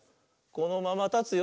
「このままたつよ」